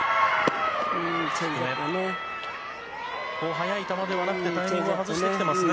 速い球ではなくてタイミングを外してきてますね。